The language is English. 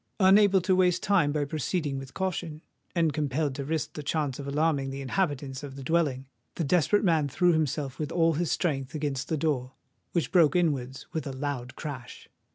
Unable to waste time by proceeding with caution, and compelled to risk the chance of alarming the inhabitants of the dwelling, the desperate man threw himself with all his strength against the door, which broke inwards with a loud crash.